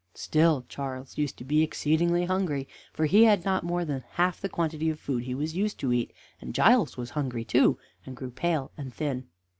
Still Charles used to be exceedingly hungry, for he had not more than half the quantity of food he was used to eat, and Giles was hungry too, and grew pale and thin.